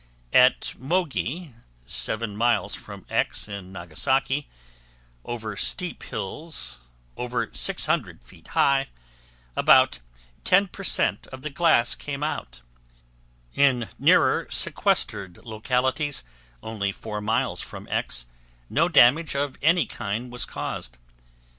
At Mogi, 7 miles from X in Nagasaki, over steep hills over 600 feet high, about 10% of the glass came out. In nearer, sequestered localities only 4 miles from X, no damage of any kind was caused.